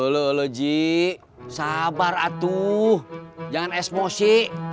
lolo ji sabar atuh jangan eksmosi